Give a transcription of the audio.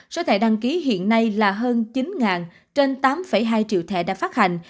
số thẻ đăng ký hiện nay là hơn chín trên tám hai triệu thẻ đã phát hành